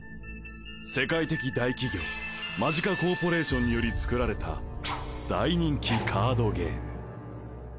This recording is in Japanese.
世界的大企業マジカコーポレーションにより作られた大人気カードゲーム